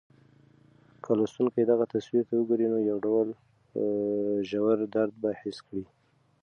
که لوستونکی دغه تصویر ته وګوري، نو یو ډول ژور درد به حس کړي.